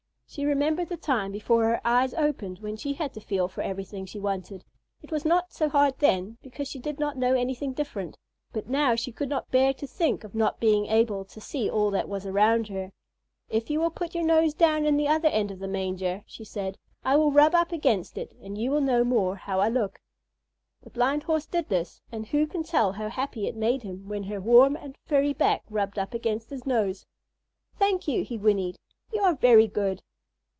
She remembered the time before her eyes opened when she had to feel for everything she wanted. It was not so hard then, because she did not know anything different, but now she could not bear to think of not being able to see all that was around her. "If you will put your nose down in the other end of the manger," she said, "I will rub up against it, and you will know more how I look." The Blind Horse did this, and who can tell how happy it made him when her warm and furry back rubbed up against his nose? "Thank you," he whinnied; "you are very good."